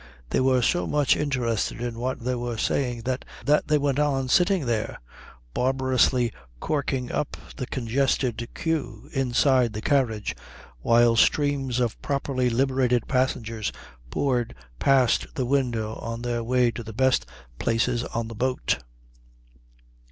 They were so much interested in what they were saying that they went on sitting there, barbarously corking up the congested queue inside the carriage while streams of properly liberated passengers poured past the window on their way to the best places on the boat.